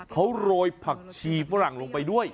เขาโรยผักชีฝรั่งลงไปด้วย